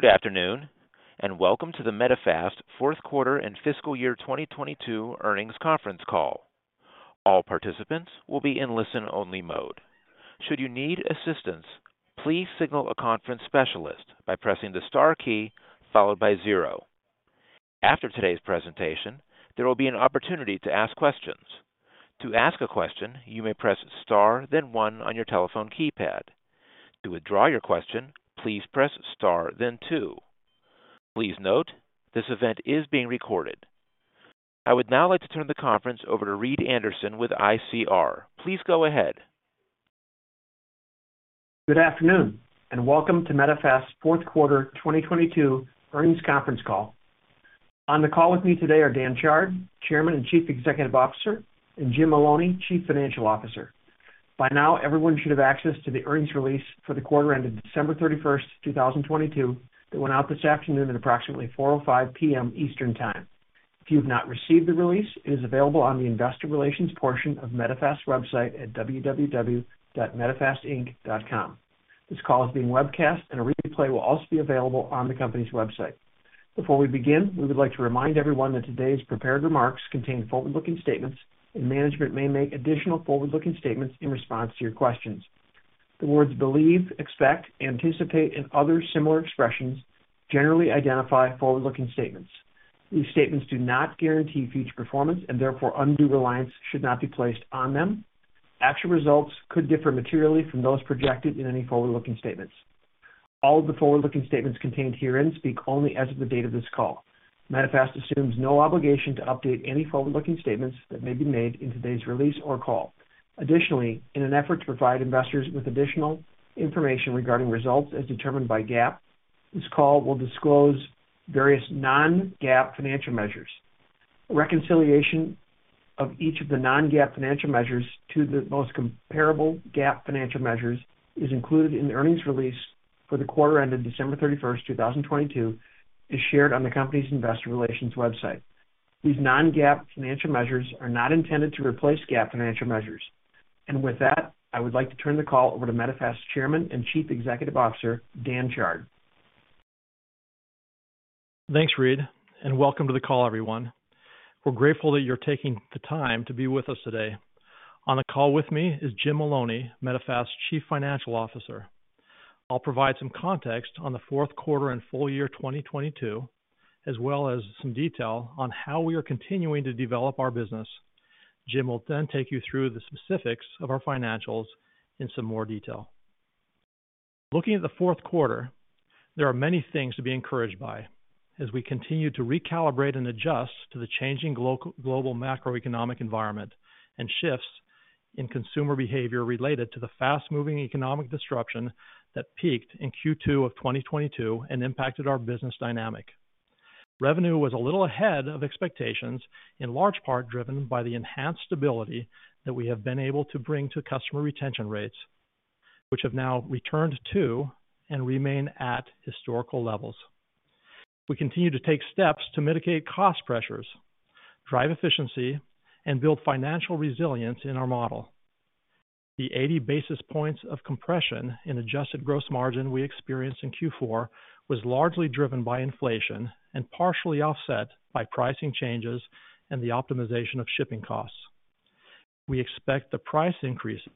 Good afternoon, and welcome to the Medifast Fourth Quarter and Fiscal Year 2022 Earnings Conference Call. All participants will be in listen-only mode. Should you need assistance, please signal a conference specialist by pressing the star key followed by zero. After today's presentation, there will be an opportunity to ask questions. To ask a question, you may press star then one on your telephone keypad. To withdraw your question, please press star then two. Please note, this event is being recorded. I would now like to turn the conference over to Reed Anderson with ICR. Please go ahead. Good afternoon, and welcome to Medifast Fourth Quarter 2022 Earnings Conference Call. On the call with me today are Dan Chard, Chairman and Chief Executive Officer, and Jim Maloney, Chief Financial Officer. By now, everyone should have access to the earnings release for the quarter ended December 31, 2022 that went out this afternoon at approximately 4:05 P.M. Eastern Time. If you've not received the release, it is available on the investor relations portion of Medifast website at www.medifastinc.com. This call is being webcast and a replay will also be available on the company's website. Before we begin, we would like to remind everyone that today's prepared remarks contain forward-looking statements, and management may make additional forward-looking statements in response to your questions. The words believe, expect, anticipate, and other similar expressions generally identify forward-looking statements. These statements do not guarantee future performance and therefore undue reliance should not be placed on them. Actual results could differ materially from those projected in any forward-looking statements. All of the forward-looking statements contained herein speak only as of the date of this call. Medifast assumes no obligation to update any forward-looking statements that may be made in today's release or call. Additionally, in an effort to provide investors with additional information regarding results as determined by GAAP, this call will disclose various non-GAAP financial measures. Reconciliation of each of the non-GAAP financial measures to the most comparable GAAP financial measures is included in the earnings release for the quarter ended December 31st, 2022, is shared on the company's investor relations website. These non-GAAP financial measures are not intended to replace GAAP financial measures. With that, I would like to turn the call over to Medifast Chairman and Chief Executive Officer, Dan Chard. Thanks, Reed. Welcome to the call, everyone. We're grateful that you're taking the time to be with us today. On the call with me is Jim Maloney, Medifast's Chief Financial Officer. I'll provide some context on the fourth quarter and full year 2022, as well as some detail on how we are continuing to develop our business. Jim will take you through the specifics of our financials in some more detail. Looking at the fourth quarter, there are many things to be encouraged by as we continue to recalibrate and adjust to the changing global macroeconomic environment and shifts in consumer behavior related to the fast-moving economic disruption that peaked in Q2 of 2022 and impacted our business dynamic. Revenue was a little ahead of expectations, in large part driven by the enhanced stability that we have been able to bring to customer retention rates, which have now returned to and remain at historical levels. We continue to take steps to mitigate cost pressures, drive efficiency, and build financial resilience in our model. The 80 basis points of compression in adjusted gross margin we experienced in Q4 was largely driven by inflation and partially offset by pricing changes and the optimization of shipping costs. We expect the price increases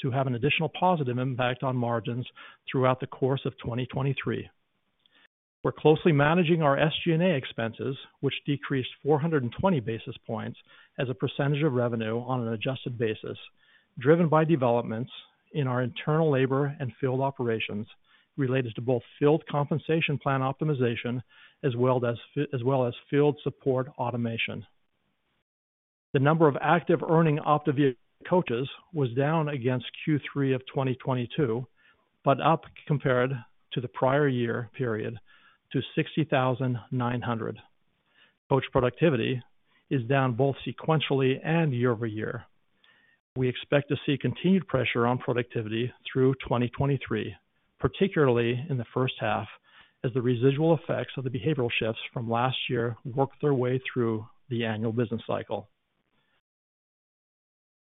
to have an additional positive impact on margins throughout the course of 2023. We're closely managing our SG&A expenses, which decreased 420 basis points as a percentage of revenue on an adjusted basis, driven by developments in our internal labor and field operations related to both field compensation plan optimization as well as field support automation. The number of active earning OPTAVIA coaches was down against Q3 of 2022, but up compared to the prior year period to 60,900. Coach productivity is down both sequentially and year-over-year. We expect to see continued pressure on productivity through 2023, particularly in the first half, as the residual effects of the behavioral shifts from last year work their way through the annual business cycle.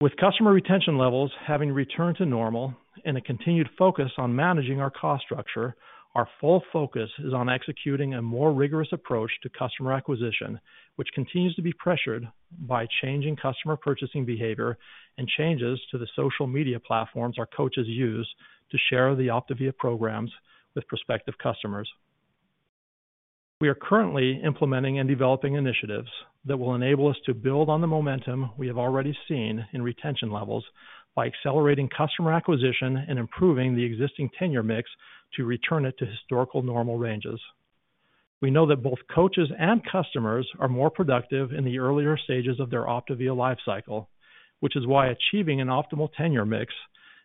With customer retention levels having returned to normal and a continued focus on managing our cost structure, our full focus is on executing a more rigorous approach to customer acquisition, which continues to be pressured by changing customer purchasing behavior and changes to the social media platforms our coaches use to share the OPTAVIA programs with prospective customers. We are currently implementing and developing initiatives that will enable us to build on the momentum we have already seen in retention levels by accelerating customer acquisition and improving the existing tenure mix to return it to historical normal ranges. We know that both coaches and customers are more productive in the earlier stages of their OPTAVIA life cycle, which is why achieving an optimal tenure mix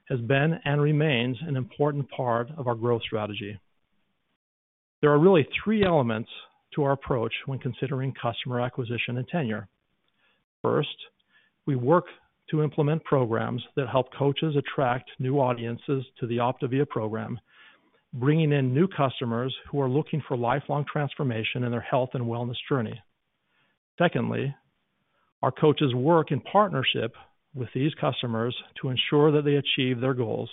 has been and remains an important part of our growth strategy. There are really three elements to our approach when considering customer acquisition and tenure. First, we work to implement programs that help coaches attract new audiences to the OPTAVIA program, bringing in new customers who are looking for lifelong transformation in their health and wellness journey. Secondly, our coaches work in partnership with these customers to ensure that they achieve their goals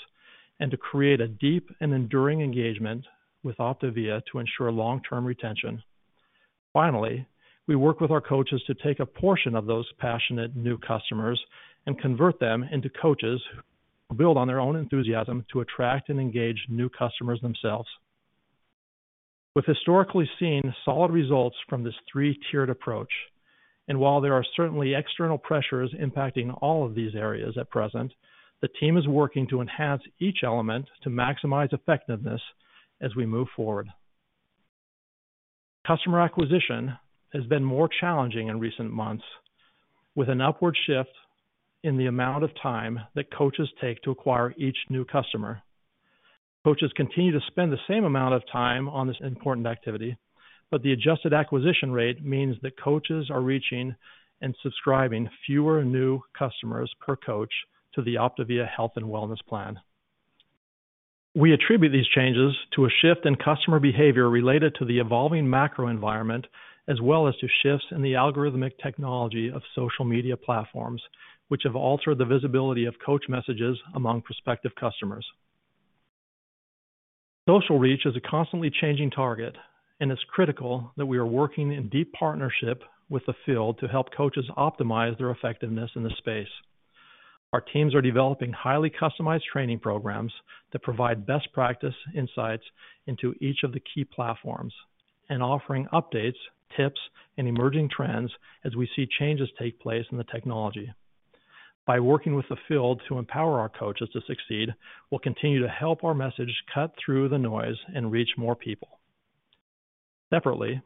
and to create a deep and enduring engagement with OPTAVIA to ensure long-term retention. Finally, we work with our coaches to take a portion of those passionate new customers and convert them into coaches who build on their own enthusiasm to attract and engage new customers themselves. We've historically seen solid results from this three-tiered approach, and while there are certainly external pressures impacting all of these areas at present, the team is working to enhance each element to maximize effectiveness as we move forward. Customer acquisition has been more challenging in recent months, with an upward shift in the amount of time that coaches take to acquire each new customer. Coaches continue to spend the same amount of time on this important activity, but the adjusted acquisition rate means that coaches are reaching and subscribing fewer new customers per coach to the OPTAVIA health and wellness plan. We attribute these changes to a shift in customer behavior related to the evolving macro environment, as well as to shifts in the algorithmic technology of social media platforms, which have altered the visibility of coach messages among prospective customers. Social reach is a constantly changing target, and it's critical that we are working in deep partnership with the field to help coaches optimize their effectiveness in the space. Our teams are developing highly customized training programs that provide best practice insights into each of the key platforms and offering updates, tips, and emerging trends as we see changes take place in the technology. By working with the field to empower our coaches to succeed, we'll continue to help our message cut through the noise and reach more people. Separately,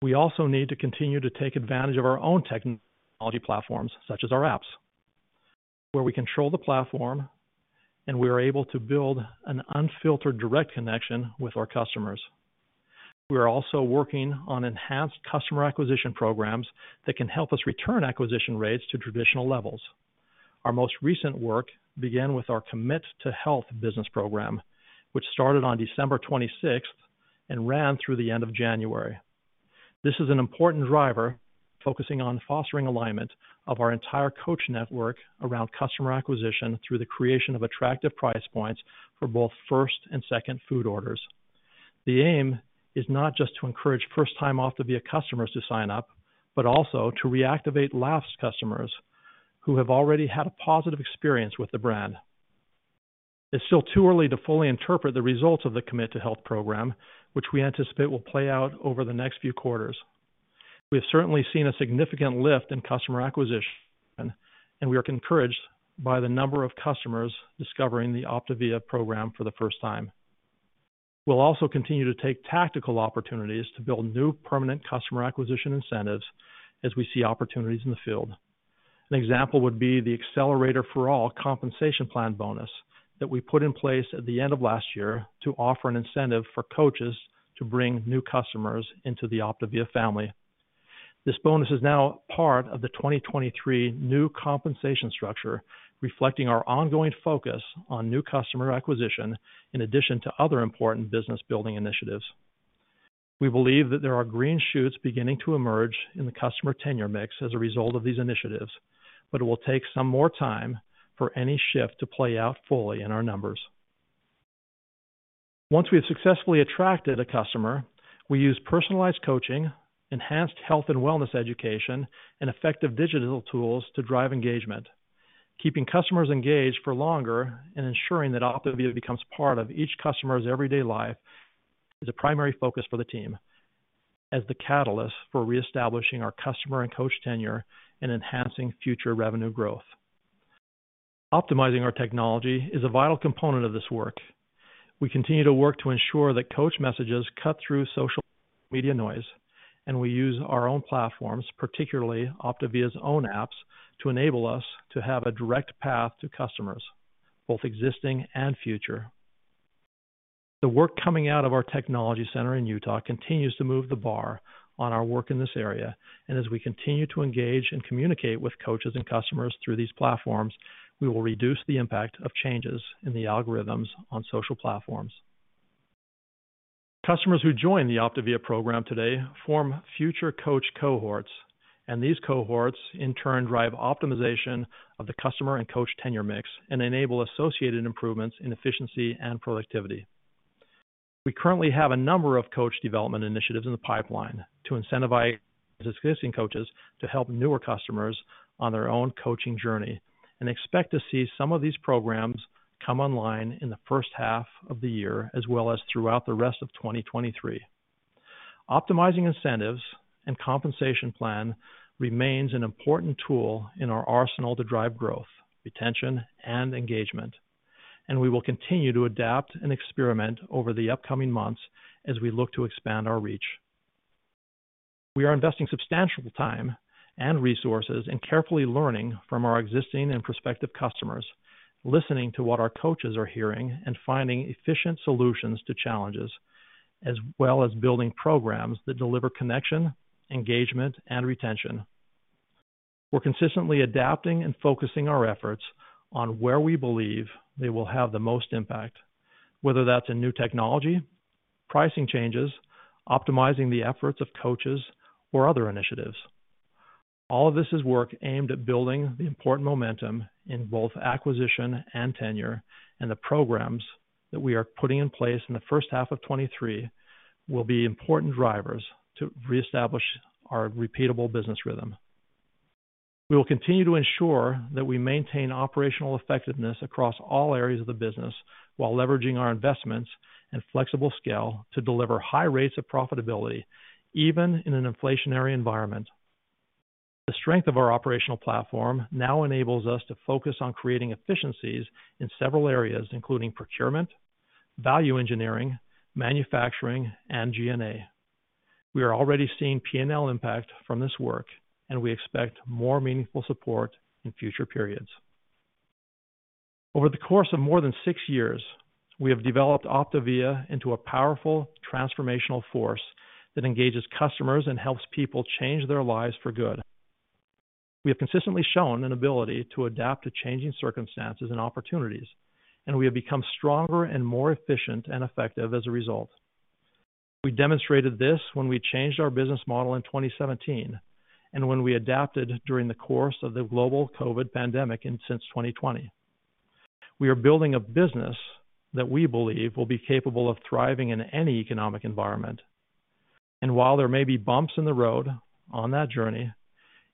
we also need to continue to take advantage of our own technology platforms, such as our apps, where we control the platform, and we are able to build an unfiltered direct connection with our customers. We are also working on enhanced customer acquisition programs that can help us return acquisition rates to traditional levels. Our most recent work began with our Commit to Health business program, which started on December 26th and ran through the end of January. This is an important driver focusing on fostering alignment of our entire coach network around customer acquisition through the creation of attractive price points for both first and second food orders. The aim is not just to encourage first-time OPTAVIA customers to sign up, but also to reactivate lapsed customers who have already had a positive experience with the brand. It's still too early to fully interpret the results of the Commit to Health Program, which we anticipate will play out over the next few quarters. We have certainly seen a significant lift in customer acquisition, and we are encouraged by the number of customers discovering the OPTAVIA program for the first time. We'll also continue to take tactical opportunities to build new permanent customer acquisition incentives as we see opportunities in the field. An example would be the Accelerator For All compensation plan bonus that we put in place at the end of last year to offer an incentive for coaches to bring new customers into the OPTAVIA family. This bonus is now part of the 2023 new compensation structure, reflecting our ongoing focus on new customer acquisition in addition to other important business building initiatives. We believe that there are green shoots beginning to emerge in the customer tenure mix as a result of these initiatives, but it will take some more time for any shift to play out fully in our numbers. Once we have successfully attracted a customer, we use personalized coaching, enhanced health and wellness education, and effective digital tools to drive engagement. Keeping customers engaged for longer and ensuring that OPTAVIA becomes part of each customer's everyday life is a primary focus for the team as the catalyst for reestablishing our customer and coach tenure and enhancing future revenue growth. Optimizing our technology is a vital component of this work. We continue to work to ensure that coach messages cut through social media noise, and we use our own platforms, particularly OPTAVIA's own apps, to enable us to have a direct path to customers, both existing and future. The work coming out of our technology center in Utah continues to move the bar on our work in this area, and as we continue to engage and communicate with coaches and customers through these platforms, we will reduce the impact of changes in the algorithms on social platforms. Customers who join the OPTAVIA program today form future coach cohorts, and these cohorts in turn drive optimization of the customer and coach tenure mix and enable associated improvements in efficiency and productivity. We currently have a number of coach development initiatives in the pipeline to incentivize existing coaches to help newer customers on their own coaching journey and expect to see some of these programs come online in the first half of the year as well as throughout the rest of 2023. Optimizing incentives and compensation plan remains an important tool in our arsenal to drive growth, retention, and engagement, and we will continue to adapt and experiment over the upcoming months as we look to expand our reach. We are investing substantial time and resources in carefully learning from our existing and prospective customers, listening to what our coaches are hearing, and finding efficient solutions to challenges, as well as building programs that deliver connection, engagement, and retention. We're consistently adapting and focusing our efforts on where we believe they will have the most impact, whether that's in new technology, pricing changes, optimizing the efforts of coaches or other initiatives. All of this is work aimed at building the important momentum in both acquisition and tenure, and the programs that we are putting in place in the first half of 2023 will be important drivers to reestablish our repeatable business rhythm. We will continue to ensure that we maintain operational effectiveness across all areas of the business while leveraging our investments and flexible scale to deliver high rates of profitability even in an inflationary environment. The strength of our operational platform now enables us to focus on creating efficiencies in several areas, including procurement, value engineering, manufacturing, and G&A. We are already seeing P&L impact from this work. We expect more meaningful support in future periods. Over the course of more than six years, we have developed OPTAVIA into a powerful transformational force that engages customers and helps people change their lives for good. We have consistently shown an ability to adapt to changing circumstances and opportunities. We have become stronger and more efficient and effective as a result. We demonstrated this when we changed our business model in 2017. We adapted during the course of the global COVID pandemic since 2020. We are building a business that we believe will be capable of thriving in any economic environment. While there may be bumps in the road on that journey,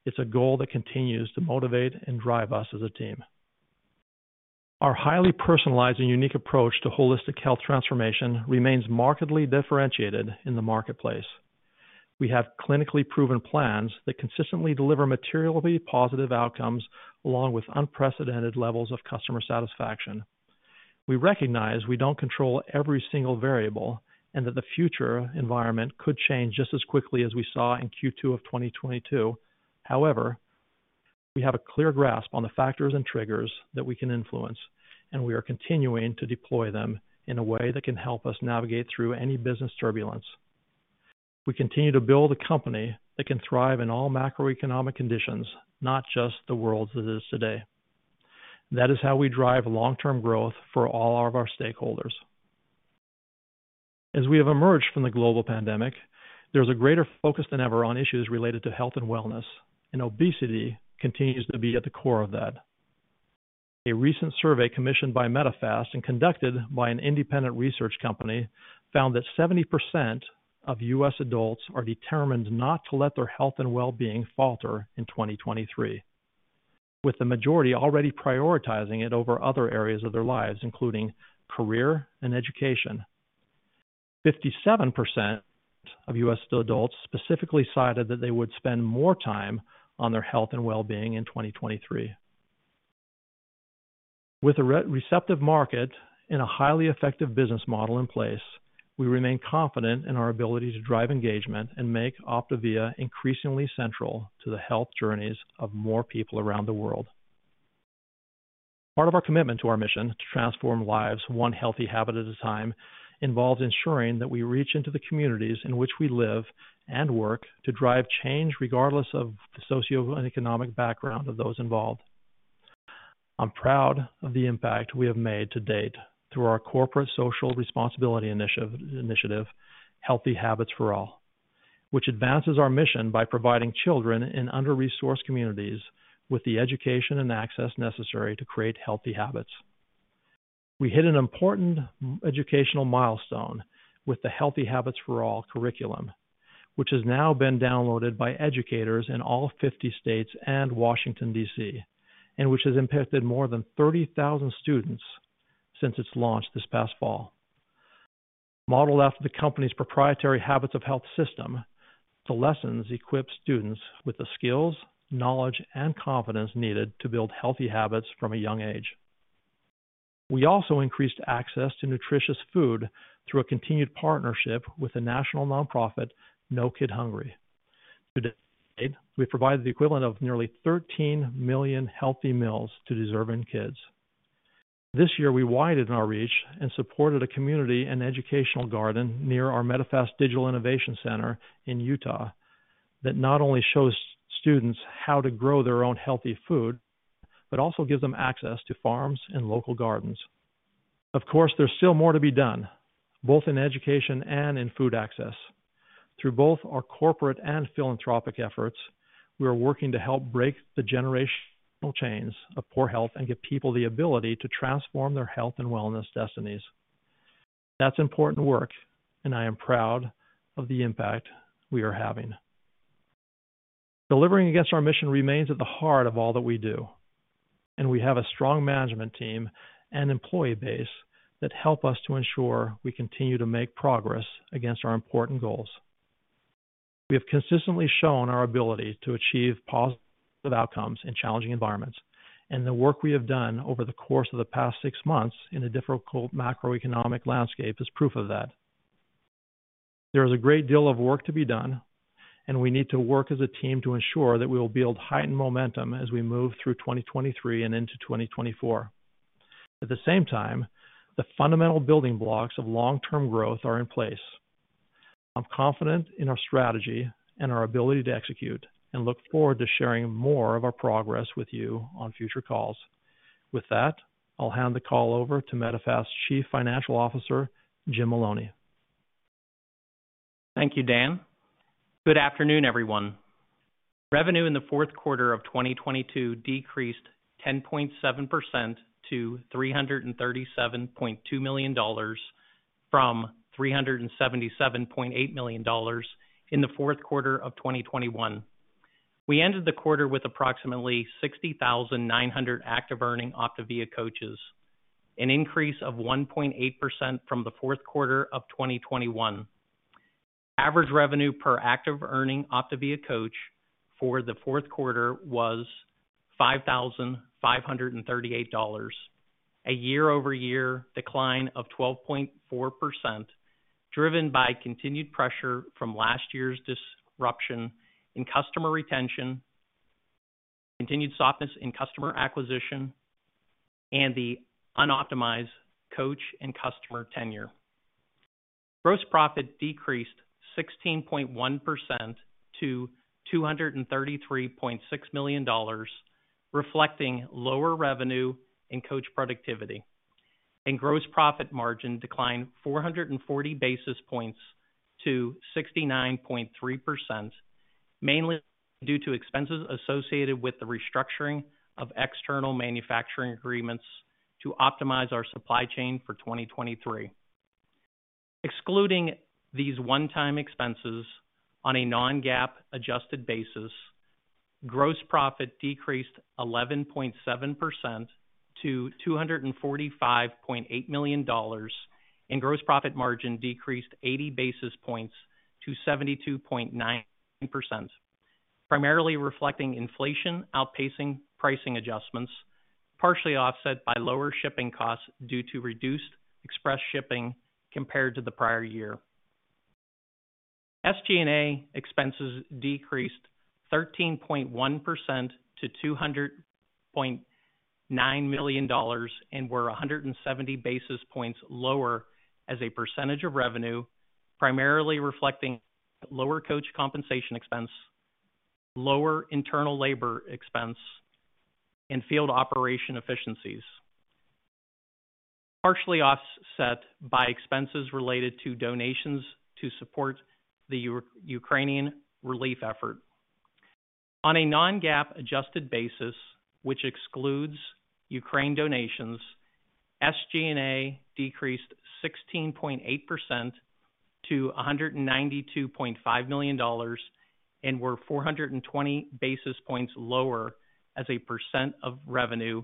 it's a goal that continues to motivate and drive us as a team. Our highly personalized and unique approach to holistic health transformation remains markedly differentiated in the marketplace. We have clinically proven plans that consistently deliver materially positive outcomes along with unprecedented levels of customer satisfaction. We recognize we don't control every single variable, and that the future environment could change just as quickly as we saw in Q2 of 2022. However, we have a clear grasp on the factors and triggers that we can influence, and we are continuing to deploy them in a way that can help us navigate through any business turbulence. We continue to build a company that can thrive in all macroeconomic conditions, not just the world as it is today. That is how we drive long-term growth for all of our stakeholders. As we have emerged from the global pandemic, there's a greater focus than ever on issues related to health and wellness, and obesity continues to be at the core of that. A recent survey commissioned by Medifast and conducted by an independent research company found that 70% of U.S. adults are determined not to let their health and well-being falter in 2023, with the majority already prioritizing it over other areas of their lives, including career and education. 57% of U.S. adults specifically cited that they would spend more time on their health and well-being in 2023. With a receptive market and a highly effective business model in place, we remain confident in our ability to drive engagement and make OPTAVIA increasingly central to the health journeys of more people around the world. Part of our commitment to our mission to transform lives one healthy habit at a time involves ensuring that we reach into the communities in which we live and work to drive change regardless of the socioeconomic background of those involved. I'm proud of the impact we have made to date through our corporate social responsibility initiative, Healthy Habits For All, which advances our mission by providing children in under-resourced communities with the education and access necessary to create healthy habits. We hit an important educational milestone with the Healthy Habits For All curriculum, which has now been downloaded by educators in all 50 states and Washington, D.C., and which has impacted more than 30,000 students since its launch this past fall. Modeled after the company's proprietary Habits of Health system, the lessons equip students with the skills, knowledge, and confidence needed to build healthy habits from a young age. We also increased access to nutritious food through a continued partnership with the national nonprofit, No Kid Hungry. To date, we've provided the equivalent of nearly 13 million healthy meals to deserving kids. This year, we widened our reach and supported a community and educational garden near our Medifast Digital Innovation Center in Utah that not only shows students how to grow their own healthy food, but also gives them access to farms and local gardens. Of course, there's still more to be done, both in education and in food access. Through both our corporate and philanthropic efforts, we are working to help break the generational chains of poor health and give people the ability to transform their health and wellness destinies. That's important work, and I am proud of the impact we are having. Delivering against our mission remains at the heart of all that we do, and we have a strong management team and employee base that help us to ensure we continue to make progress against our important goals. We have consistently shown our ability to achieve positive outcomes in challenging environments, and the work we have done over the course of the past six months in a difficult macroeconomic landscape is proof of that. There is a great deal of work to be done, and we need to work as a team to ensure that we will build heightened momentum as we move through 2023 and into 2024. At the same time, the fundamental building blocks of long-term growth are in place. I'm confident in our strategy and our ability to execute, and look forward to sharing more of our progress with you on future calls. With that, I'll hand the call over to Medifast's Chief Financial Officer, Jim Maloney. Thank you, Dan. Good afternoon, everyone. Revenue in the fourth quarter of 2022 decreased 10.7% to $337.2 million from $377.8 million in the fourth quarter of 2021. We ended the quarter with approximately 60,900 active earning OPTAVIA coaches, an increase of 1.8% from the fourth quarter of 2021. Average revenue per active earning OPTAVIA coach for the fourth quarter was $5,538, a year-over-year decline of 12.4%, driven by continued pressure from last year's disruption in customer retention, continued softness in customer acquisition, and the unoptimized coach and customer tenure. Gross profit decreased 16.1% to $233.6 million, reflecting lower revenue in coach productivity. Gross profit margin declined 440 basis points to 69.3%, mainly due to expenses associated with the restructuring of external manufacturing agreements to optimize our supply chain for 2023. Excluding these one-time expenses, on a non-GAAP adjusted basis, gross profit decreased 11.7% to $245.8 million, and gross profit margin decreased 80 basis points to 72.9%, primarily reflecting inflation outpacing pricing adjustments, partially offset by lower shipping costs due to reduced express shipping compared to the prior year. SG&A expenses decreased 13.1% to $200.9 million, and were 170 basis points lower as a percentage of revenue, primarily reflecting lower coach compensation expense, lower internal labor expense, and field operation efficiencies. Partially offset by expenses related to donations to support the Ukrainian relief effort. On a non-GAAP adjusted basis, which excludes Ukraine donations, SG&A decreased 16.8% to $192.5 million and were 420 basis points lower as a percent of revenue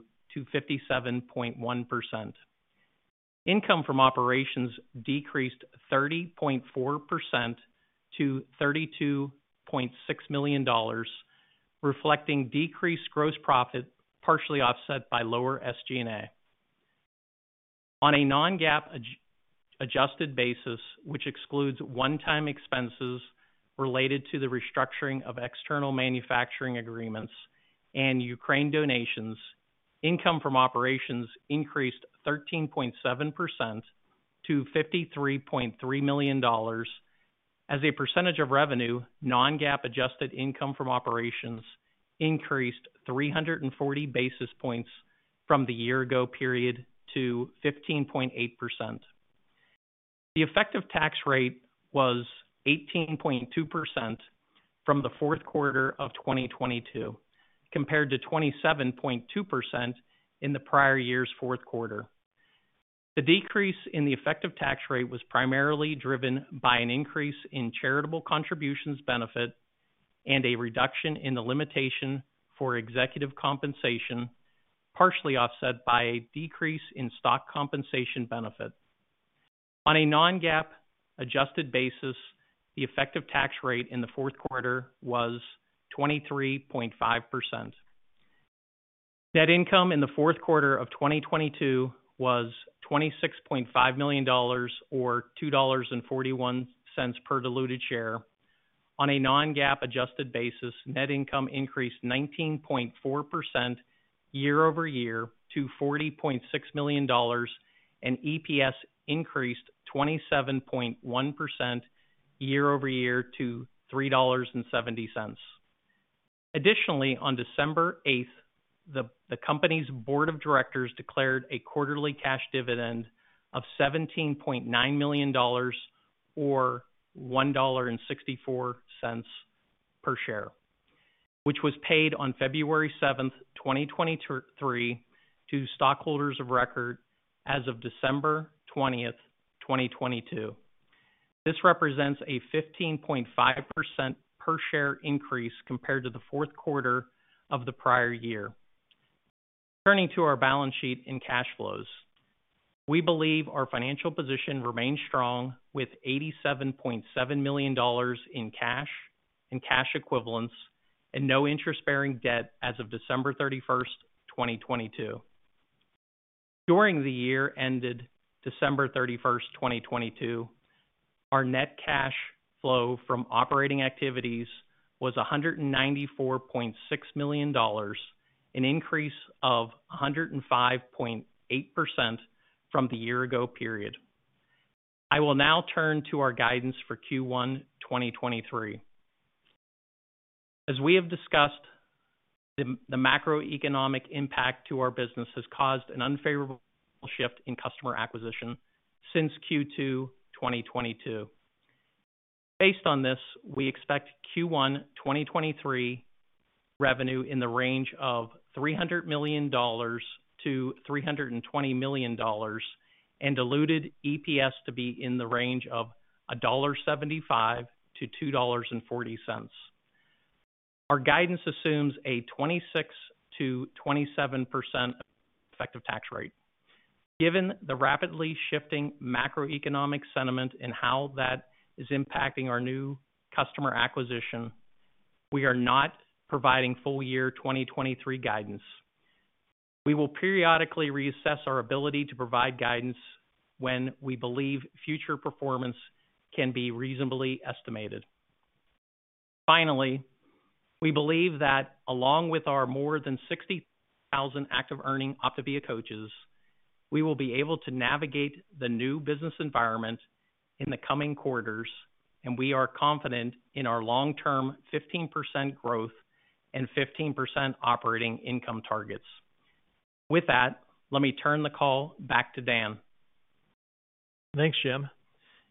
to 57.1%. Income from operations decreased 30.4% to $32.6 million, reflecting decreased gross profit, partially offset by lower SG&A. On a non-GAAP adjusted basis, which excludes one-time expenses related to the restructuring of external manufacturing agreements and Ukraine donations, income from operations increased 13.7% to $53.3 million. As a percentage of revenue, non-GAAP adjusted income from operations increased 340 basis points from the year ago period to 15.8%. The effective tax rate was 18.2% from the fourth quarter of 2022, compared to 27.2% in the prior year's fourth quarter. The decrease in the effective tax rate was primarily driven by an increase in charitable contributions benefit and a reduction in the limitation for executive compensation, partially offset by a decrease in stock compensation benefit. On a non-GAAP adjusted basis, the effective tax rate in the fourth quarter was 23.5%. Net income in the fourth quarter of 2022 was $26.5 million or $2.41 per diluted share. On a non-GAAP adjusted basis, net income increased 19.4% year-over-year to $40.6 million, and EPS increased 27.1% year-over-year to $3.70. On December 8th, the company's board of directors declared a quarterly cash dividend of $17.9 million or $1.64 per share, which was paid on February 7th, 2023 to stockholders of record as of December 20th, 2022. This represents a 15.5% per share increase compared to the fourth quarter of the prior year. Turning to our balance sheet and cash flows. We believe our financial position remains strong with $87.7 million in cash and cash equivalents and no interest-bearing debt as of December 31st, 2022. During the year ended December 31st, 2022, our net cash flow from operating activities was $194.6 million, an increase of 105.8% from the year-ago period. I will now turn to our guidance for Q1 2023. As we have discussed, the macroeconomic impact to our business has caused an unfavorable shift in customer acquisition since Q2 2022. Based on this, we expect Q1 2023 revenue in the range of $300 million-$320 million and diluted EPS to be in the range of $1.75-$2.40. Our guidance assumes a 26%-27% effective tax rate. Given the rapidly shifting macroeconomic sentiment and how that is impacting our new customer acquisition, we are not providing full year 2023 guidance. We will periodically reassess our ability to provide guidance when we believe future performance can be reasonably estimated. Finally, we believe that along with our more than 60,000 active earning OPTAVIA coaches, we will be able to navigate the new business environment in the coming quarters, and we are confident in our long-term 15% growth and 15% operating income targets. With that, let me turn the call back to Dan. Thanks, Jim.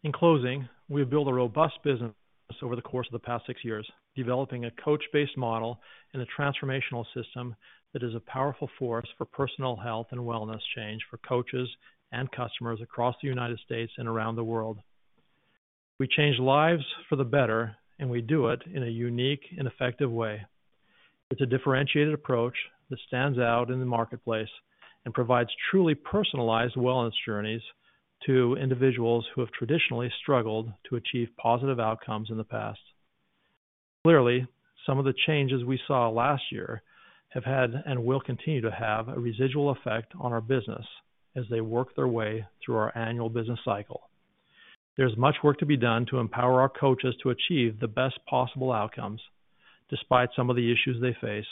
In closing, we've built a robust business over the course of the past six years, developing a coach-based model and a transformational system that is a powerful force for personal health and wellness change for coaches and customers across the United States and around the world. We change lives for the better, and we do it in a unique and effective way. It's a differentiated approach that stands out in the marketplace and provides truly personalized wellness journeys to individuals who have traditionally struggled to achieve positive outcomes in the past. Clearly, some of the changes we saw last year have had and will continue to have a residual effect on our business as they work their way through our annual business cycle. There's much work to be done to empower our coaches to achieve the best possible outcomes despite some of the issues they face.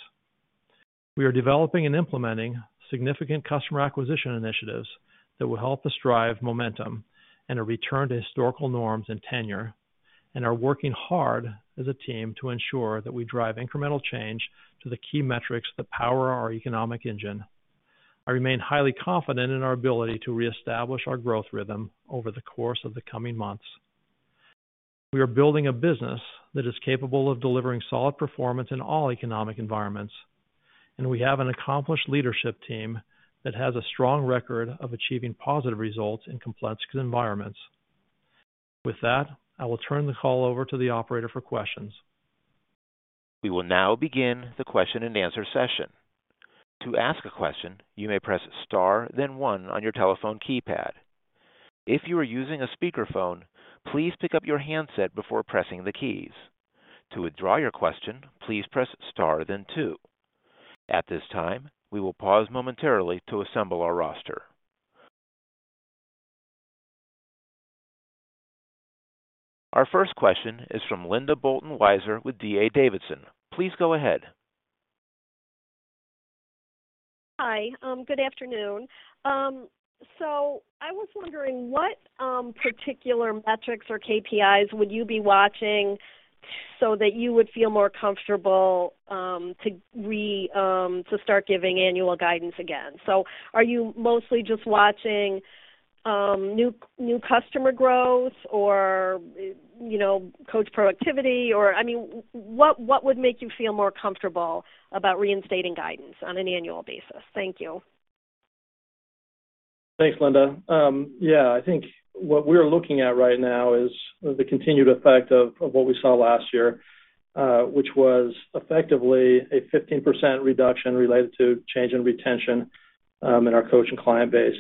We are developing and implementing significant customer acquisition initiatives that will help us drive momentum and a return to historical norms and tenure, and are working hard as a team to ensure that we drive incremental change to the key that power our economic engine. I remain highly confident in our ability to reestablish our growth rhythm over the course of the coming months. We are building a business that is capable of delivering solid performance in all economic environments, and we have an accomplished leadership team that has a strong record of achieving positive results in complex environments. With that, I will turn the call over to the operator for questions. We will now begin the question-and-answer session. To ask a question, you may press star then one on your telephone keypad. If you are using a speakerphone, please pick up your handset before pressing the keys. To withdraw your question, please press star then two. At this time, we will pause momentarily to assemble our roster. Our first question is from Linda Bolton Weiser with D.A. Davidson. Please go ahead. Hi. good afternoon. I was wondering what particular metrics or KPIs would you be watching so that you would feel more comfortable to start giving annual guidance again? Are you mostly just watching new customer growth or, you know, coach proactivity, or, I mean, what would make you feel more comfortable about reinstating guidance on an annual basis? Thank you. Thanks, Linda. Yeah, I think what we're looking at right now is the continued effect of what we saw last year, which was effectively a 15% reduction related to change in retention in our coach and client base.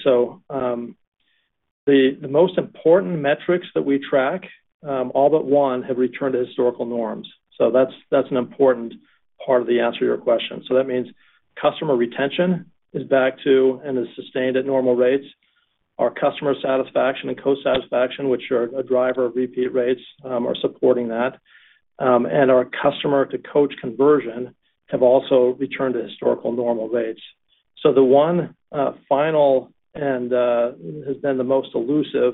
The most important metrics that we track, all but one have returned to historical norms. That's an important part of the answer to your question. That means customer retention is back to and is sustained at normal rates. Our customer satisfaction and coach satisfaction, which are a driver of repeat rates, are supporting that. Our customer-to-coach conversion have also returned to historical normal rates. The one final and has been the most elusive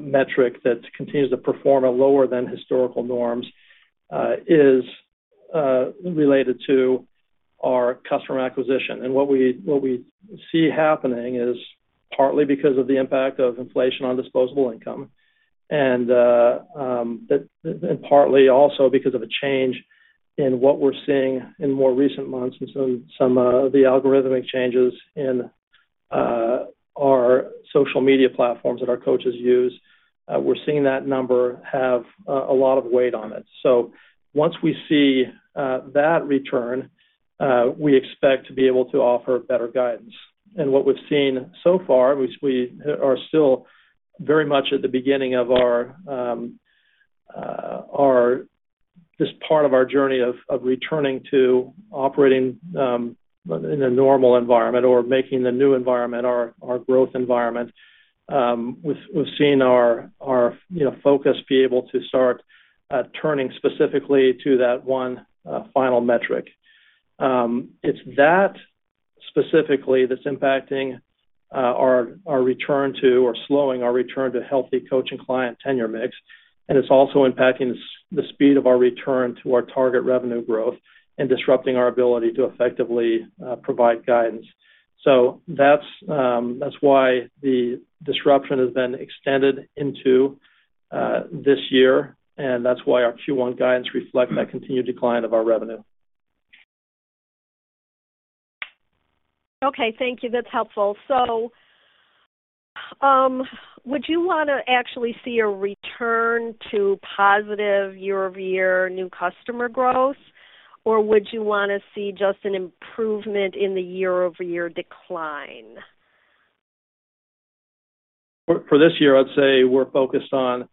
metric that continues to perform at lower than historical norms is related to our customer acquisition. What we see happening is partly because of the impact of inflation on disposable income and partly also because of a change in what we're seeing in more recent months and some algorithmic changes in our social media platforms that our coaches use, we're seeing that number have a lot of weight on it. Once we see that return, we expect to be able to offer better guidance. What we've seen so far, which we are still very much at the beginning of this part of our journey of returning to operating in a normal environment or making the new environment our growth environment, we've seen our, you know, focus be able to start turning specifically to that one final metric. It's that specifically that's impacting our return to or slowing our return to healthy coach and client tenure mix. It's also impacting the speed of our return to our target revenue growth and disrupting our ability to effectively provide guidance. That's, that's why the disruption has been extended into this year, and that's why our Q1 guidance reflect that continued decline of our revenue. Okay. Thank you. That's helpful. Would you wanna actually see a return to positive year-over-year new customer growth? Or would you wanna see just an improvement in the year-over-year decline? For this year, I'd say we're focused on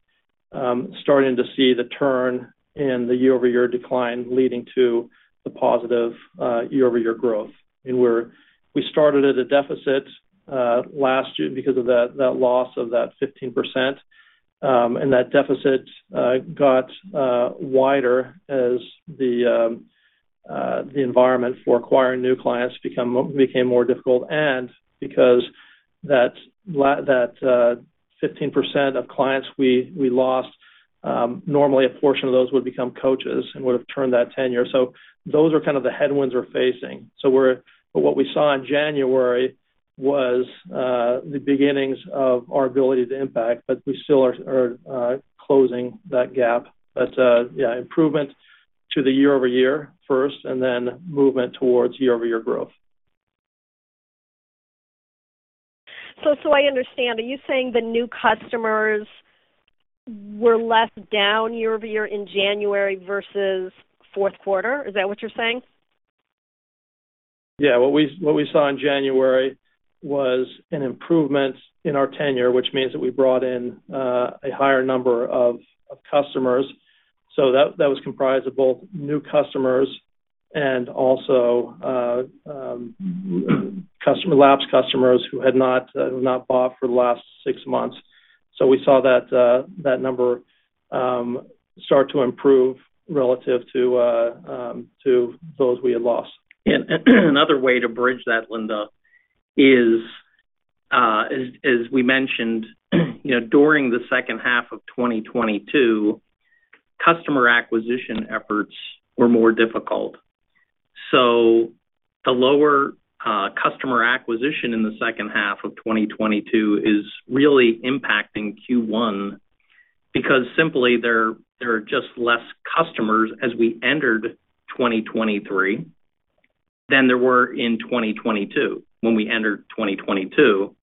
starting to see the turn in the year-over-year decline leading to the positive year-over-year growth. We started at a deficit last year because of that loss of that 15%. That deficit got wider as the environment for acquiring new clients became more difficult. Because that 15% of clients we lost, normally a portion of those would become coaches and would have turned that tenure. Those are kind of the headwinds we're facing. What we saw in January was the beginnings of our ability to impact, but we still are closing that gap. Yeah, improvement to the year-over-year first and then movement towards year-over-year growth. I understand. Are you saying the new customers were less down year-over-year in January versus fourth quarter? Is that what you're saying? Yeah. What we saw in January was an improvement in our tenure, which means that we brought in a higher number of customers. That was comprised of both new customers and also lapsed customers who had not bought for the last six months. We saw that number start to improve relative to those we had lost. Another way to bridge that, Linda, is, as we mentioned, you know, during the second half of 2022, customer acquisition efforts were more difficult. The lower customer acquisition in the second half of 2022 is really impacting Q1 because simply there are just less customers as we entered 2023 than there were in 2022 when we entered 2022.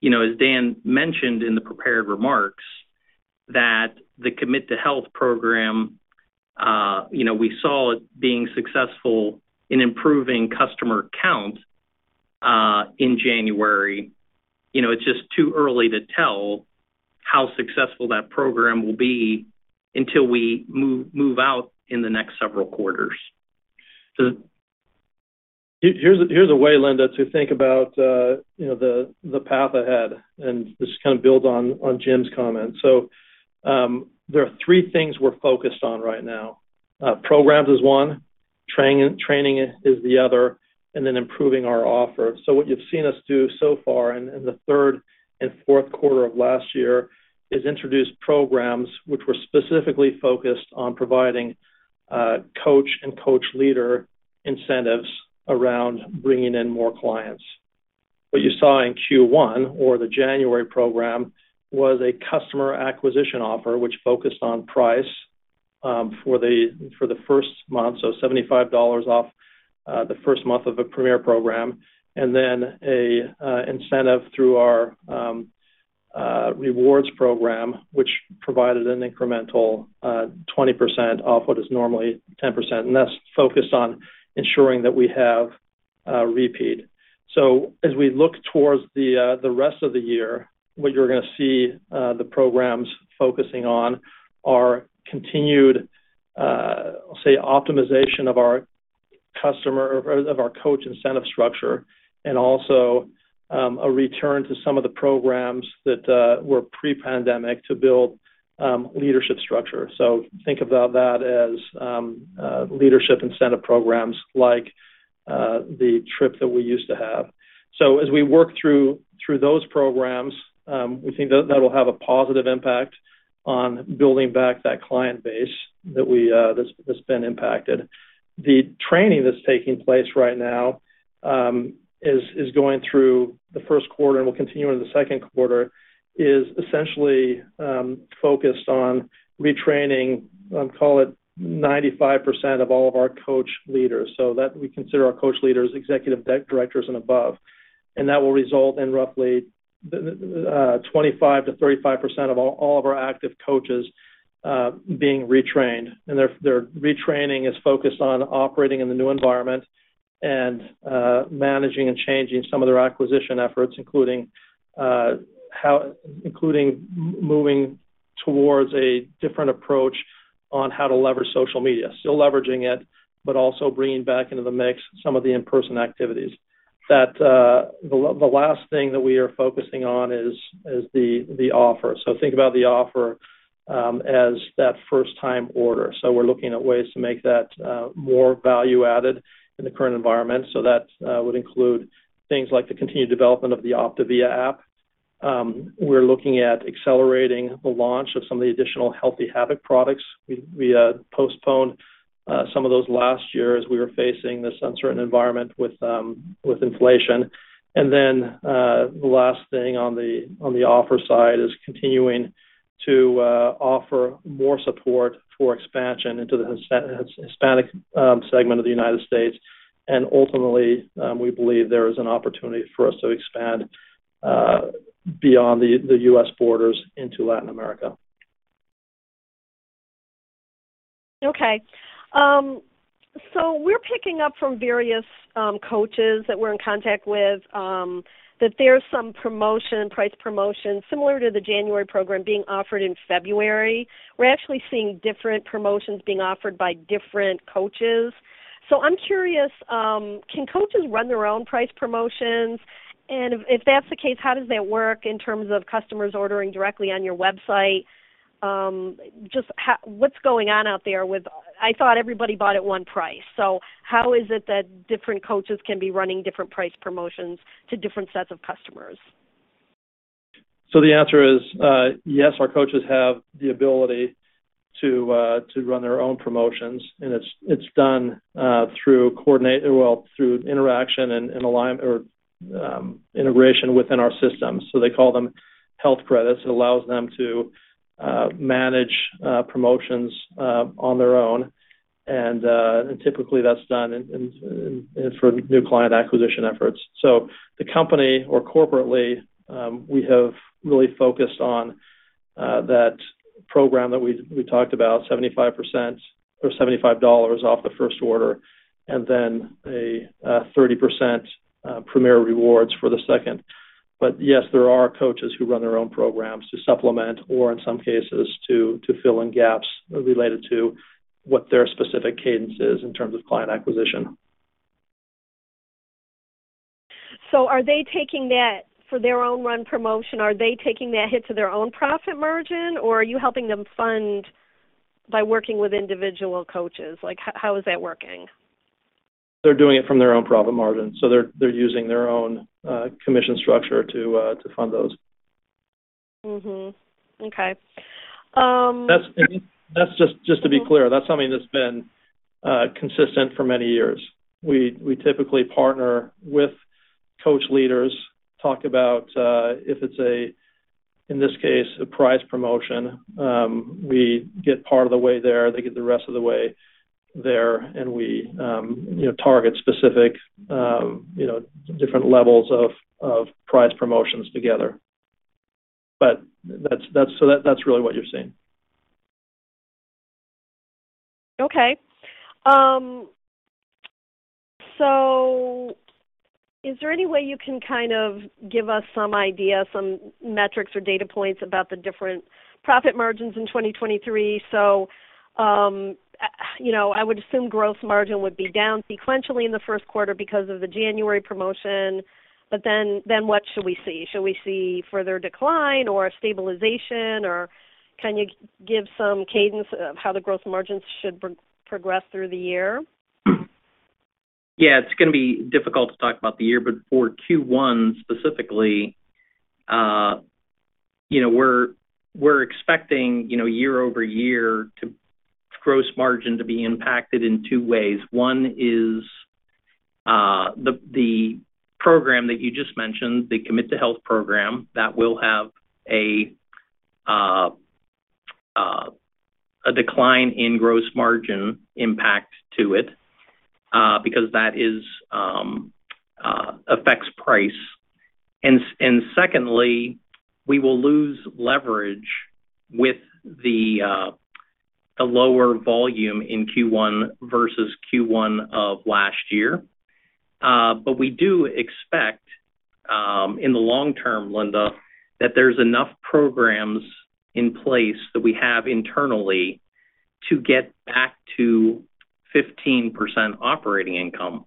You know, as Dan mentioned in the prepared remarks that the Commit to Health program, you know, we saw it being successful in improving customer count in January. You know, it's just too early to tell how successful that program will be until we move out in the next several quarters. Here's a way, Linda, to think about, you know, the path ahead, and this kind of builds on Jim's comment. There are three things we're focused on right now. Programs is one, training is the other, improving our offer. What you've seen us do so far in the third and fourth quarter of last year is introduce programs which were specifically focused on providing coach and coach leader incentives around bringing in more clients. What you saw in Q1 or the January program was a customer acquisition offer, which focused on price, for the first month, so $75 off the first month of a Premier program, and then a incentive through our rewards program, which provided an incremental 20% off what is normally 10%. That's focused on ensuring that we have a repeat. As we look towards the rest of the year, what you're gonna see, the programs focusing on are continued, say optimization of our customer or of our coach incentive structure and also, a return to some of the programs that were pre-pandemic to build leadership structure. Think about that as leadership incentive programs like the trip that we used to have. As we work through those programs, we think that that will have a positive impact on building back that client base that we that's been impacted. The training that's taking place right now, is going through the first quarter and will continue into the second quarter, is essentially focused on retraining, I'd call it 95% of all of our coach leaders. That we consider our coach leaders, Executive Director and above. That will result in roughly 25%-35% of all of our active coaches, being retrained. Their retraining is focused on operating in the new environment and managing and changing some of their acquisition efforts, including moving towards a different approach. On how to leverage social media. Still leveraging it, but also bringing back into the mix some of the in-person activities. The last thing that we are focusing on is the offer. Think about the offer as that first time order. We're looking at ways to make that more value-added in the current environment. That would include things like the continued development of the OPTAVIA app. We're looking at accelerating the launch of some of the additional Healthy Habit products. We postponed some of those last year as we were facing this uncertain environment with inflation. The last thing on the offer side is continuing to offer more support for expansion into the Hispanic segment of the United States. Ultimately, we believe there is an opportunity for us to expand beyond the U.S. borders into Latin America. Okay. We're picking up from various coaches that we're in contact with, that there's some promotion, price promotion similar to the January program being offered in February. We're actually seeing different promotions being offered by different coaches. I'm curious, can coaches run their own price promotions? If that's the case, how does that work in terms of customers ordering directly on your website? Just how... What's going on out there with... I thought everybody bought at one price. How is it that different coaches can be running different price promotions to different sets of customers? The answer is, yes, our coaches have the ability to run their own promotions, and it's done Well, through interaction and align or integration within our system. They call them health credits. It allows them to manage promotions on their own. Typically that's done for new client acquisition efforts. The company or corporately, we have really focused on that program that we talked about, 75% or $75 off the first order, and then a 30% OPTAVIA Premier for the second. Yes, there are coaches who run their own programs to supplement or in some cases to fill in gaps related to what their specific cadence is in terms of client acquisition. Are they taking that for their own run promotion? Are they taking that hit to their own profit margin, or are you helping them fund by working with individual coaches? Like, how is that working? They're doing it from their own profit margin, so they're using their own commission structure to fund those. Mm-hmm. Okay. That's, I mean, That's just to be clear, that's something that's been consistent for many years. We typically partner with coach leaders, talk about if it's a, in this case, a price promotion, we get part of the way there, they get the rest of the way there, and we, you know, target specific, you know, different levels of price promotions together. That's really what you're seeing. Okay. Is there any way you can kind of give us some idea, some metrics or data points about the different profit margins in 2023? You know, I would assume gross margin would be down sequentially in the first quarter because of the January promotion. What should we see? Should we see further decline or stabilization? Can you give some cadence of how the gross margins should progress through the year? Yeah. It's gonna be difficult to talk about the year, but for Q1 specifically, you know, we're expecting, you know, year-over-year gross margin to be impacted in two ways. One is, the program that you just mentioned, the Commit to Health program, that will have a decline in gross margin impact to it, because that is affects price. Secondly, we will lose leverage with the lower volume in Q1 versus Q1 of last year. We do expect, in the long term, Linda, that there's enough programs in place that we have internally to get back to 15% operating income.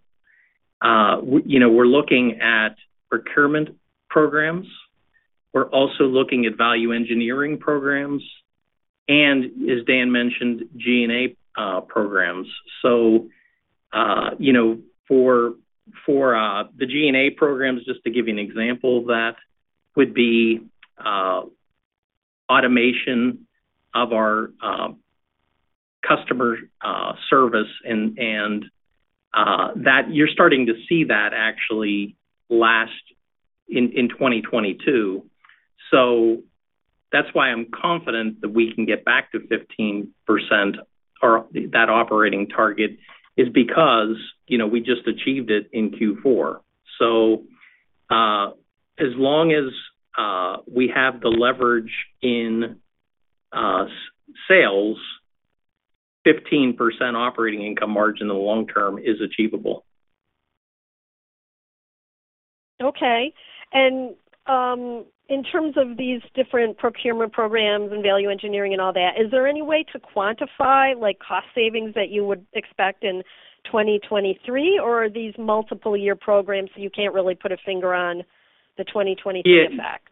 You know, we're looking at procurement programs. We're also looking at value engineering programs. As Dan mentioned, G&A programs. you know, for the G&A programs, just to give you an example of that, would be automation of our customer service and that you're starting to see that actually last in 2022. That's why I'm confident that we can get back to 15% or that operating target is because, you know, we just achieved it in Q4. As long as we have the leverage in sales, 15% operating income margin in the long term is achievable. Okay. In terms of these different procurement programs and value engineering and all that, is there any way to quantify, like, cost savings that you would expect in 2023? Are these multiple year programs, so you can't really put a finger on the 2023 effect?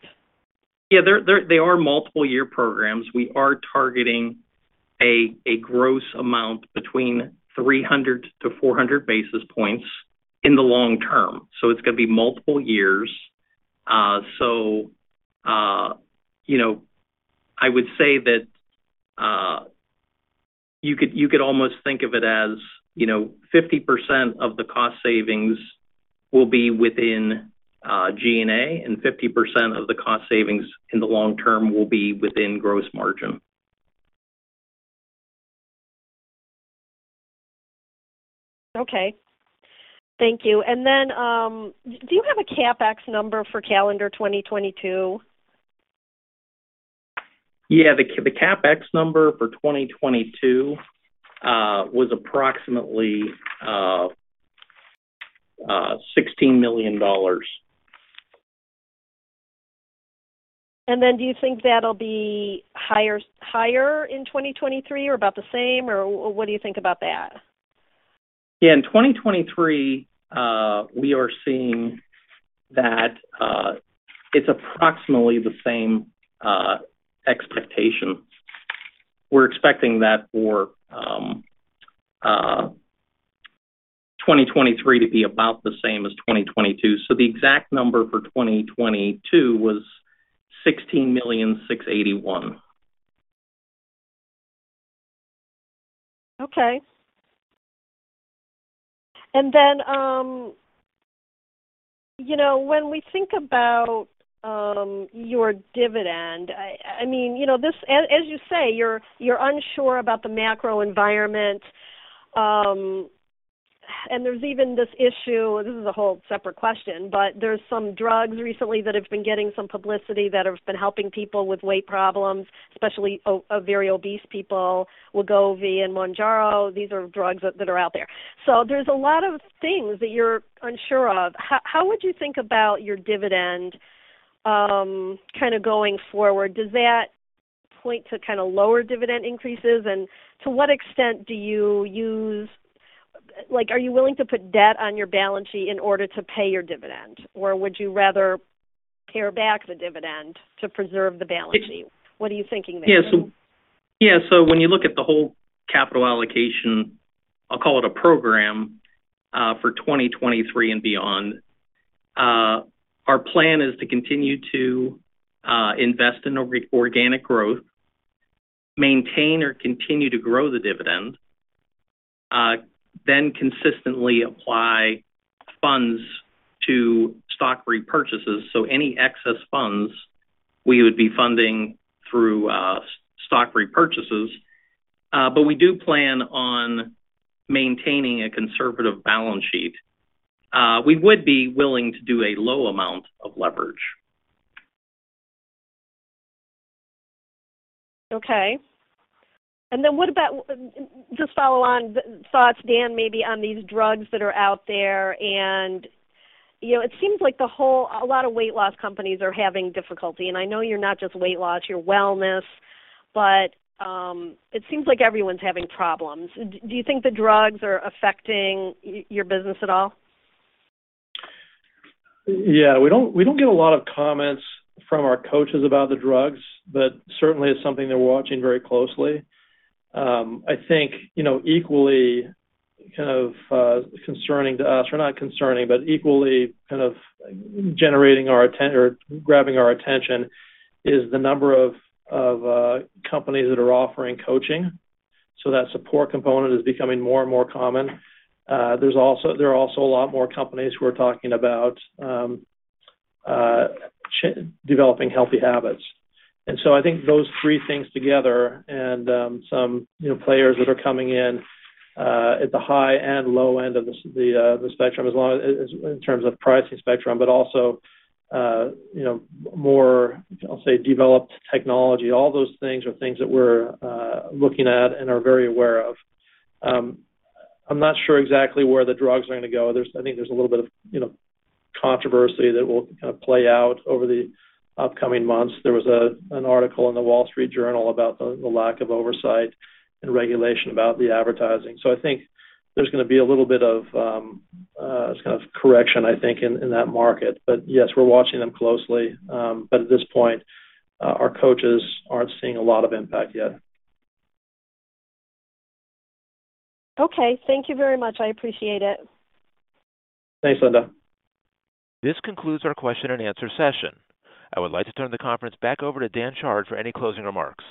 Yeah. They are multiple year programs. We are targeting a gross amount between 300 to 400 basis points in the long term, so it's gonna be multiple years. You know, I would say that, you could almost think of it as, you know, 50% of the cost savings will be within G&A, and 50% of the cost savings in the long term will be within gross margin. Okay. Thank you. Then, do you have a CapEx number for calendar 2022? Yeah. The CapEx number for 2022 was approximately $16 million. do you think that'll be higher in 2023 or about the same, or what do you think about that? Yeah. In 2023, we are seeing that, it's approximately the same expectation. We're expecting that for, 2023 to be about the same as 2022. The exact number for 2022 was $16,681,000. Okay. Then, you know, when we think about your dividend, I mean, you know, as you say, you're unsure about the macro environment, there's even this issue, this is a whole separate question, but there's some drugs recently that have been getting some publicity that have been helping people with weight problems, especially obese people, Wegovy and Mounjaro. These are drugs that are out there. There's a lot of things that you're unsure of. How would you think about your dividend kinda going forward? Does that point to kinda lower dividend increases? To what extent Like, are you willing to put debt on your balance sheet in order to pay your dividend, or would you rather pare back the dividend to preserve the balance sheet? What are you thinking there? When you look at the whole capital allocation, I'll call it a program, for 2023 and beyond, our plan is to continue to invest in organic growth, maintain or continue to grow the dividend, consistently apply funds to stock repurchases. Any excess funds we would be funding through stock repurchases. We do plan on maintaining a conservative balance sheet. We would be willing to do a low amount of leverage. Okay. Then what about... Just follow on thoughts, Dan, maybe on these drugs that are out there and, you know, it seems like a lot of weight loss companies are having difficulty, and I know you're not just weight loss, you're wellness, but it seems like everyone's having problems. Do you think the drugs are affecting your business at all? Yeah. We don't, we don't get a lot of comments from our coaches about the drugs, but certainly it's something they're watching very closely. I think, you know, equally kind of concerning to us or not concerning, but equally kind of generating or grabbing our attention is the number of companies that are offering coaching. That support component is becoming more and more common. There are also a lot more companies who are talking about developing healthy habits. I think those three things together and, some, you know, players that are coming in, at the high and low end of the spectrum as long as in terms of pricing spectrum, but also, you know, more, I'll say, developed technology. All those things are things that we're looking at and are very aware of. I'm not sure exactly where the drugs are gonna go. I think there's a little bit of, you know, controversy that will kind of play out over the upcoming months. There was an article in The Wall Street Journal about the lack of oversight and regulation about the advertising. I think there's gonna be a little bit of kind of correction, I think, in that market. Yes, we're watching them closely. At this point, our coaches aren't seeing a lot of impact yet. Okay. Thank you very much. I appreciate it. Thanks, Linda. This concludes our question and answer session. I would like to turn the conference back over to Dan Chard for any closing remarks.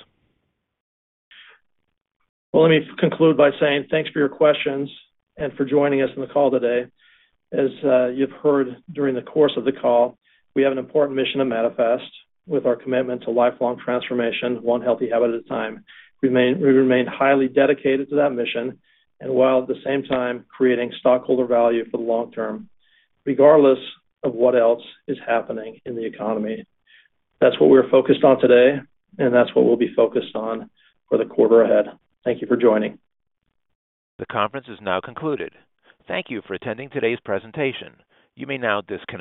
Well, let me conclude by saying thanks for your questions and for joining us on the call today. As you've heard during the course of the call, we have an important mission to manifest with our commitment to lifelong transformation, one Healthy Habit at a time. We remain highly dedicated to that mission and while at the same time creating stockholder value for the long term, regardless of what else is happening in the economy. That's what we're focused on today, and that's what we'll be focused on for the quarter ahead. Thank you for joining. The conference is now concluded. Thank you for attending today's presentation. You may now disconnect.